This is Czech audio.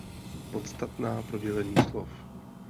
Podstatná pro dělení slov.